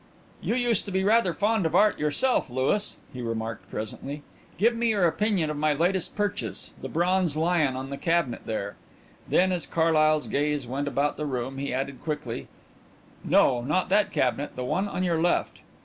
"You used to be rather fond of art yourself, Louis," he remarked presently. "Give me your opinion of my latest purchase the bronze lion on the cabinet there." Then, as Carlyle's gaze went about the room, he added quickly: "No, not that cabinet the one on your left."